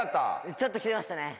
ちょっときてましたね。